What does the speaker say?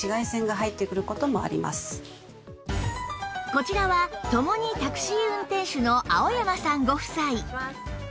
こちらはともにタクシー運転手の青山さんご夫妻